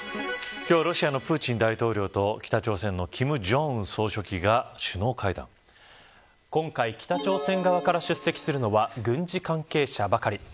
今日、ロシアのプーチン大統領と北朝鮮の金正恩総書記が今回、北朝鮮側から出席するのは軍事関係者ばかり。